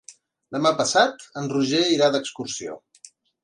Demà passat en Roger irà d'excursió.